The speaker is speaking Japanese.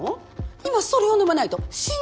今それを飲まないと死んじゃうの？